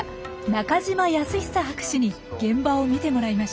中島保寿博士に現場を見てもらいました。